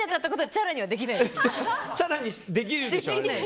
チャラにできるでしょ！